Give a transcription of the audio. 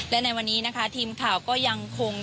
และในวันนี้นะคะทีมข่าวก็ยังคง